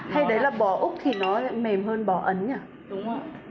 hay đấy là bò úc thì nó mềm hơn bò ấn nhỉ